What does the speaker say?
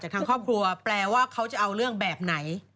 ทางครอบครัวแปลว่าเขาจะเอาเรื่องแบบไหน